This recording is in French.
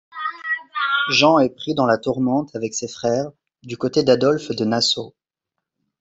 Jean est pris dans la tourmente, avec ses frères, du côté d'Adolphe de Nassau.